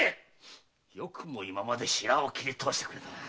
よくも今までシラを切りとおしてくれたな！